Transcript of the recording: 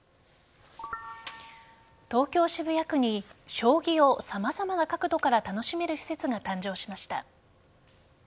東京・渋谷区に将棋を様々な角度から楽しめる施設が誕生しました。